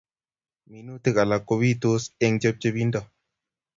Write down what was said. Minutik alak kopitos eng' chepchepindo